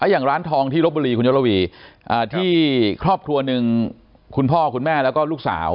อย่างร้านทองที่ลบบุรีคุณยศลวีที่ครอบครัวหนึ่งคุณพ่อคุณแม่แล้วก็ลูกสาว